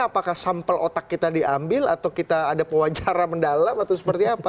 apakah sampel otak kita diambil atau kita ada pewajara mendalam atau seperti apa